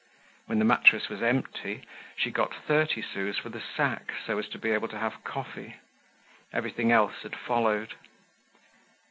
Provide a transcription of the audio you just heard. When the mattress was empty she got thirty sous for the sack so as to be able to have coffee. Everything else had followed.